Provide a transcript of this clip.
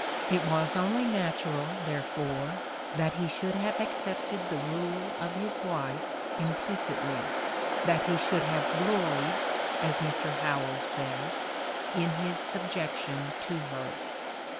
It was only natural, therefore, that he should have accepted the rule of his wife "implicitly," that he should have "gloried," as Mr. Howells says, in his subjection to her.